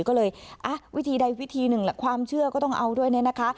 ก็เลยวิธีใดวิธีหนึ่งแหละความเชื่อก็ต้องเอาด้วยเนี่ยนะคะ